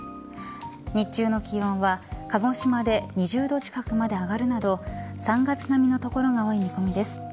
日中の気温は鹿児島で２０度近くまで上がるなど３月並みの所が多い見込みです。